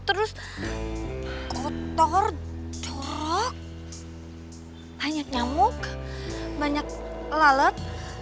terus kotor dorok banyak nyamuk banyak lalat